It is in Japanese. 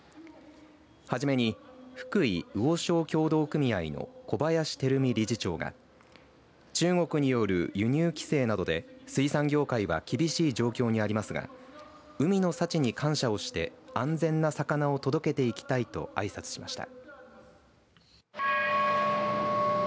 初めに福井魚商協同組合の小林輝美理事長が中国による輸入規制などで水産業界は厳しい状況にありますが海の幸に感謝して安全な魚を届けていきたいとあいさつしました。